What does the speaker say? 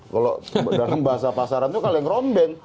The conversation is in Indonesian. kalau dalam bahasa pasaran itu kaleng rombeng